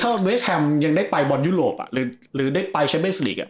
ถ้าเวสแฮมยังได้ไปบอลยุโรปหรือได้ไปเชฟเบสลีกอ่ะ